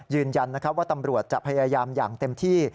ยืนยันว่าตำรวจจะพยายามอย่างเต็มที่